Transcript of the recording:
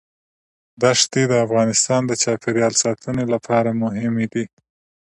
دښتې د افغانستان د چاپیریال ساتنې لپاره مهم دي.